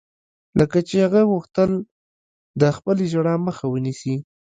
لکه چې هغې غوښتل د خپلې ژړا مخه ونيسي.